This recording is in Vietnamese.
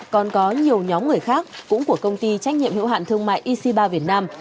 còn có nhiều nhóm người khác cũng của công ty trách nhiệm hữu hạn thương mại ec ba việt nam